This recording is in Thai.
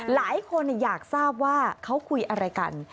หลายคนอยากทราบว่าเขาคุยอะไรกัน